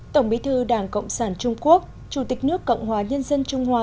tổng bí thư đảng cộng sản trung quốc chủ tịch nước cộng hòa nhân dân trung hoa